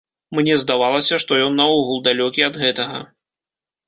Мне здавалася, што ён наогул далёкі ад гэтага.